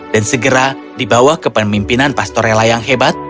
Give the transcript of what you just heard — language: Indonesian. dan segera di bawah kepemimpinan pastorella yang hebat